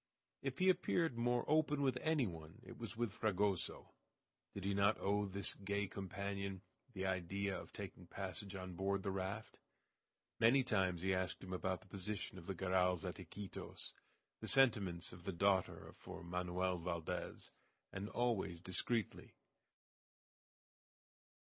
If he appeared more open with any one, it was with Fragoso. Did he not owe to this gay companion the idea of taking passage on board the raft? Many times he asked him about the position of the Garrals at Iquitos, the sentiments of the daughter for Manoel Valdez, and always discreetly.